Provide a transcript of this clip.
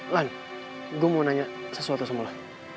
lan gua mau nanya sesuatu sama lo